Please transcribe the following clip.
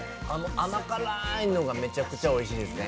甘辛いのがめちゃくちゃおいしいですね。